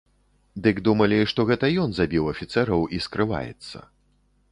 Дык думалі, што гэта ён забіў афіцэраў і скрываецца.